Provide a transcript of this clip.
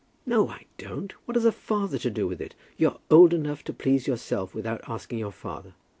"No, I don't. What has a father to do with it? You're old enough to please yourself without asking your father.